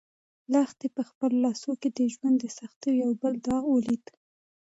لښتې په خپلو لاسو کې د ژوند د سختیو یو بل داغ ولید.